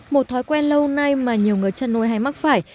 một thói quen lâu nay mà nhiều người chăn nuôi hay mắc phải